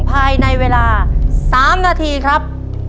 ภายในเวลา๓นาทีครับ